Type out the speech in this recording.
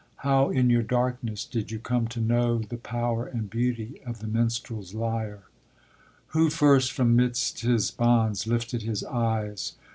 How, in your darkness, did you come to know The power and beauty of the minstrel's lyre? Who first from midst his bonds lifted his eyes?